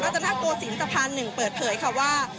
รัฐนักโปสินสะพาน๑เปิดเผยค่ะว่า